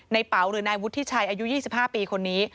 เป๋าหรือนายวุฒิชัยอายุ๒๕ปีคนนี้